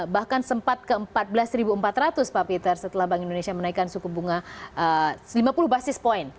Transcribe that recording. bahkan sempat ke empat belas empat ratus pak peter setelah bank indonesia menaikkan suku bunga lima puluh basis point